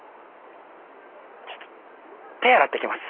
ちょっと手洗ってきます。